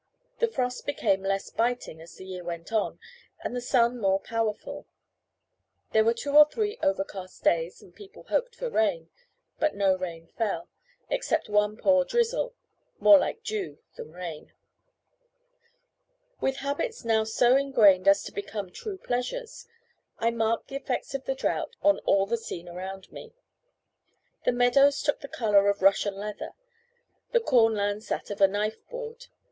The frost became less biting as the year went on, and the sun more powerful; there were two or three overcast days, and people hoped for rain. But no rain fell, except one poor drizzle, more like dew than rain. With habits now so ingrained as to become true pleasures, I marked the effects of the drought on all the scene around me. The meadows took the colour of Russian leather, the cornlands that of a knife board.